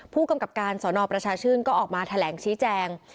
ผู้กำกับการสนประชาชื่นก็ออกมาแถลงชี้แจง